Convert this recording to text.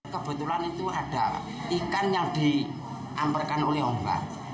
kebetulan itu ada ikan yang diamparkan oleh orang